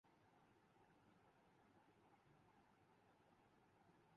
دیکھیے پانی کب تک بہتا اور مچھلی کب تک تیرتی ہے؟